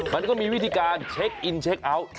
มันก็มีวิธีการเช็คอินเช็คเอาท์